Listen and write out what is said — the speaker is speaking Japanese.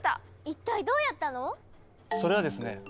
一体どうやったの⁉それはですね